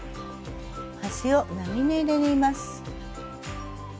端を並縫いで縫います。